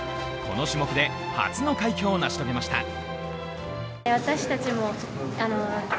この種目で初の快挙を成し遂げました。